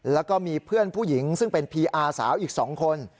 แล้วก็มีเพื่อนผู้หญิงซึ่งเป็นพีอาสาวอีก๒คน